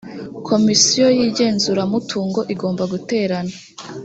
komisiyo y’igenzuramutungo igomba guterana